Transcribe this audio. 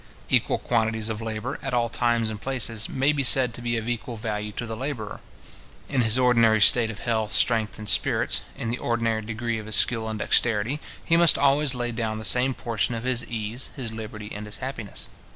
Equal quantities of labour, at all times and places, may be said to be of equal value to the labourer. In his ordinary state of health, strength, and spirits; in the ordinary degree of his skill and dexterity, he must always lay down the same portion of his ease, his liberty, and his happiness.